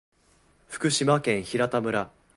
福島県平田村